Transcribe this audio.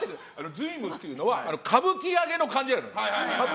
瑞夢っていうのは歌舞伎揚げの感じなの。